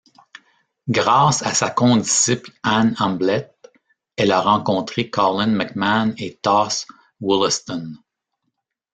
Grâce à sa condisciple Anne Hamblett, elle a rencontré Colin McCahon et Toss Woollaston.